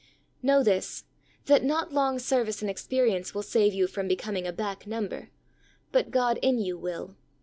Know this: that not long service and experience will save you from becoming a back number, but God in you will.